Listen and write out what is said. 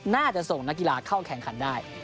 น่าจะส่งนักกีฬาเข้าแข่งขันได้